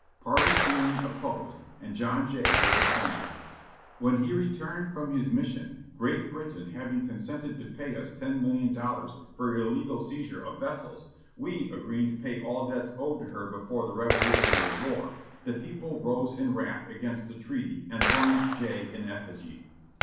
Party feeling opposed, and John Jay was appointed. When he returned from his mission, Great Britain having consented to pay us ten million dollars for illegal seizure of vessels, we agreeing to pay all debts owed to her before the Revolutionary War, the people rose in wrath against the treaty, and burned Jay in effigy.